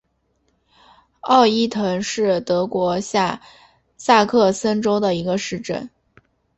奥伊滕是德国下萨克森州的一个市镇。